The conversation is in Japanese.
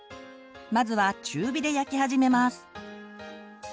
まずは中火で焼き始めます。